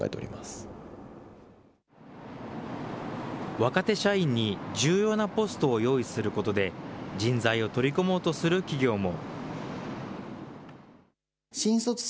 若手社員に重要なポストを用意することで、人材を取り込もうとする企業も。